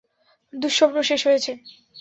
দুঃস্বপ্ন শেষ হয়েছে!